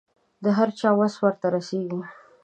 د هر چا وس ورته رسېږي.